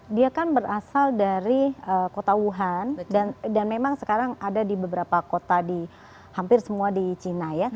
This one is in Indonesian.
dia kan berasal dari kota wuhan dan memang sekarang ada di beberapa kota di hampir semua di china ya